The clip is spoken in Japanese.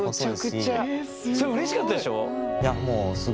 すごい。それうれしかったでしょ？